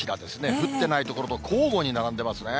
降ってない所と、交互に並んでますね。